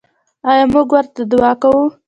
آیا موږ ورته دعا کوو؟